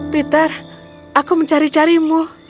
peter aku mencari carimu